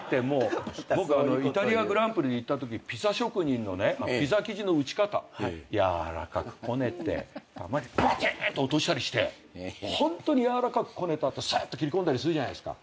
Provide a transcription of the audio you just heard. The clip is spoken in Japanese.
僕イタリアグランプリに行ったときピザ職人のねピザ生地の打ち方やわらかくこねてたまにバチーンっと落としたりしてホントにやわらかくこねた後スッと切り込んだりするじゃないですか。